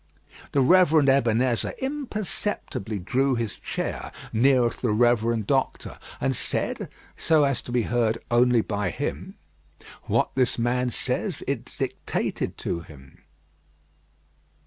'" The Reverend Ebenezer imperceptibly drew his chair nearer to the Reverend Doctor and said, so as to be heard only by him: "What this man says, is dictated to him."